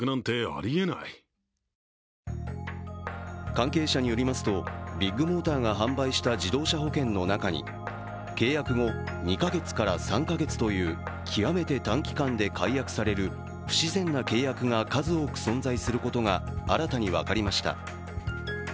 関係者によりますと、ビッグモーターが販売した自動車保険の中に契約後２か月から３か月という極めて短期間で解約される不自然な契約が数多く存在することが新たに分かりました。